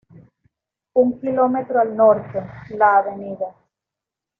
Un kilómetro al norte, la Av.